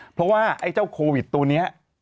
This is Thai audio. เพราะว่าไอ้เจ้าโควิดตัวนี้